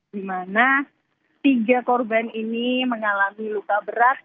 dimana tiga korban ini mengalami luka berat